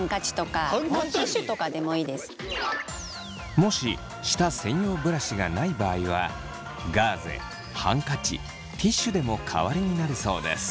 もし舌専用ブラシがない場合はガーゼハンカチティッシュでも代わりになるそうです。